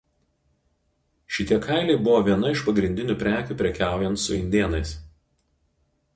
Šitie kailiai buvo viena iš pagrindinių prekių prekiaujant su indėnais.